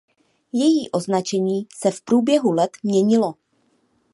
Její označení se v průběhu let měnilo.